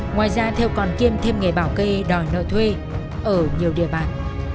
ngoài ra theo còn kiêm thêm nghề bảo kê đòi nợ thuê ở nhiều địa bàn